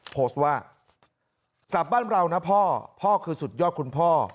โพสต์ว่ากลับบ้านเรานะพ่อพ่อคือสุดยอดคุณพ่อ